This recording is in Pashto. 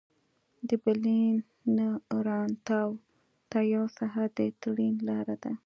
د برلین نه راتناو ته یو ساعت د ټرېن لاره ده